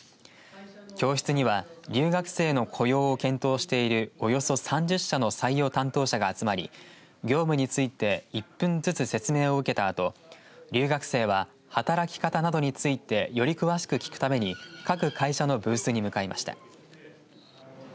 教室には留学生の雇用を検討しているおよそ３０社の採用担当者が集まり業務について１分ずつ説明を受けたあと留学生は働き方などについてより詳しく聞くために各会社のブースに向かいました。